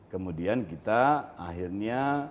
kemudian kita akhirnya